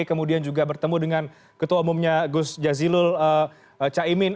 kemudian juga bertemu dengan ketua umumnya gus jazilul caimin